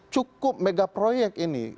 cukup megaproyek ini